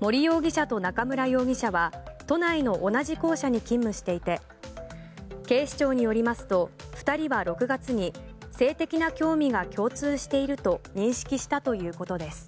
森容疑者と中村容疑者は都内の同じ校舎に勤務していて警視庁によりますと２人は６月に性的な興味が共通していると認識したということです。